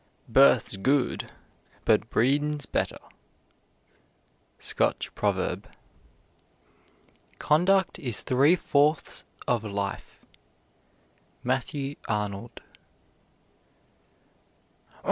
Birth's gude, but breedin's better. SCOTCH PROVERB. Conduct is three fourths of life. MATTHEW ARNOLD.